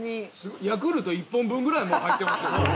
ヤクルト１本分ぐらいもう入ってますよ。